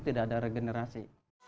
tidak ada regenerasi